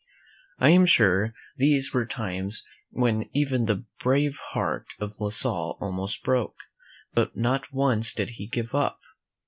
I am sure these were times when even the brave heart of La Salle almost broke, but not once did he give up.